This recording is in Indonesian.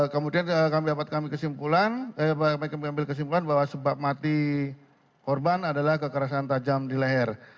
kemudian kami dapat kami kesimpulan kami ambil kesimpulan bahwa sebab mati korban adalah kekerasan tajam di leher